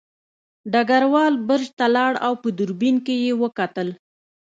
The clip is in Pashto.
ډګروال برج ته لاړ او په دوربین کې یې وکتل